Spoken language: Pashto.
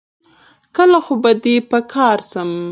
کله خو به دي په کار سم